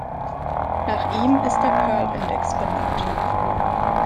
Nach ihm ist der Pearl-Index benannt.